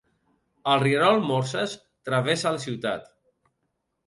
El rierol Morses travessa la ciutat.